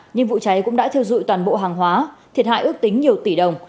nhưng vụ cháy cũng đã thiêu dụi toàn bộ hàng hóa thiệt hại ước tính nhiều tỷ đồng